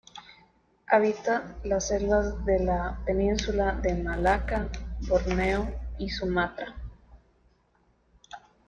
Habita las selvas de la península de Malaca, Borneo y Sumatra.